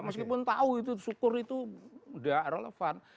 meskipun tahu itu syukur itu tidak relevan